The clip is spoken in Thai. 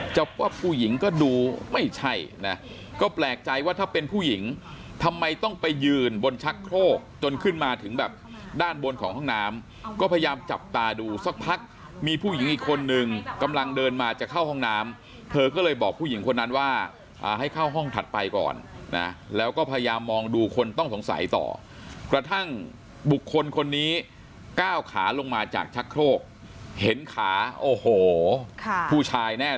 ว่าผู้หญิงก็ดูไม่ใช่นะก็แปลกใจว่าถ้าเป็นผู้หญิงทำไมต้องไปยืนบนชักโครกจนขึ้นมาถึงแบบด้านบนของห้องน้ำก็พยายามจับตาดูสักพักมีผู้หญิงอีกคนนึงกำลังเดินมาจะเข้าห้องน้ำเธอก็เลยบอกผู้หญิงคนนั้นว่าให้เข้าห้องถัดไปก่อนนะแล้วก็พยายามมองดูคนต้องสงสัยต่อกระทั่งบุคคลคนนี้ก้าวขาลงมาจากชักโครกเห็นขาโอ้โหผู้ชายแน่